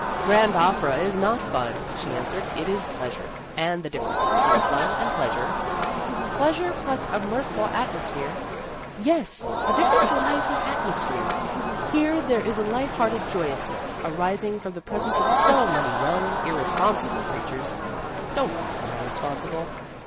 " Grand opera is not fun," she an swered, " it is pleasure. And the differ ence between fun and pleasure " Pleasure plus a mirthful atmos phere " Yes, the difference lies in atmosphere. Here there is a light hearted joyousness, arising from the presence of so many young, irresponsible creatures " Don't call them irresponsible."